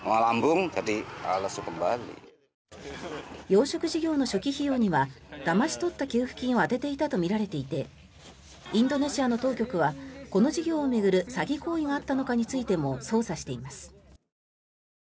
養殖事業の初期費用にはだまし取った給付金を充てていたとみられていてインドネシアの当局はこの事業を巡る詐欺行為があったのかについても捜査しています。